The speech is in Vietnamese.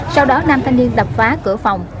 sau đó nam thanh niên đập phá cửa phòng